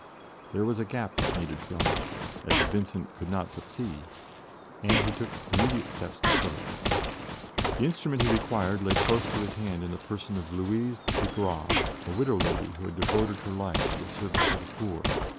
There was a gap which needed filling, as Vincent could not but see, and he took immediate steps to fill it. The instrument he required lay close to his hand in the person of Louise le Gras, a widow lady who had devoted her life to the service of the poor.